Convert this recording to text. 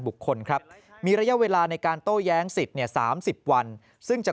บุคคลครับมีระยะเวลาในการโต้แย้งสิทธิ์เนี่ย๓๐วันซึ่งจะ